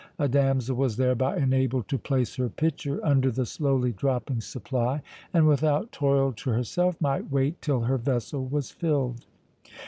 A damsel was thereby enabled to place her pitcher under the slowly dropping supply, and, without toil to herself, might wait till her vessel was filled.